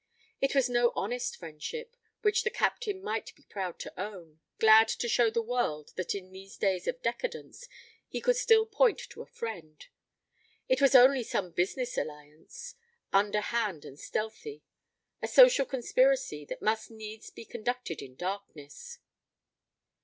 It was no honest friendship, which the Captain might be proud to own, glad to show the world that in these days of decadence he could still point to a friend. It was only some business alliance, underhand and stealthy; a social conspiracy, that must needs be conducted in darkness.